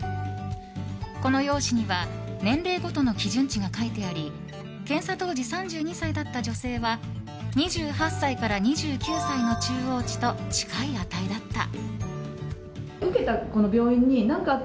この用紙には年齢ごとの基準値が書いてあり検査当時３２歳だった女性は２８歳から２９歳の中央値と近い値だった。